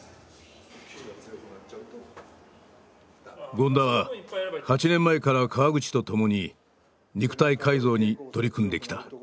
権田は８年前から河口とともに肉体改造に取り組んできた。